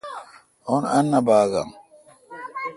اُن انّا با گ آں